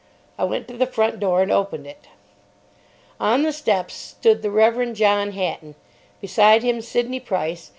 I went to the front door, and opened it. On the steps stood the Rev. John Hatton. Beside him Sidney Price.